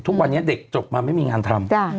ทุกวันนี้เด็กจบมาไม่มีงานทำ